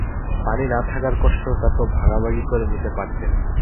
পানি না থাকার কষ্টটা তো ভাগাভাগি করে নিতে পারতেন।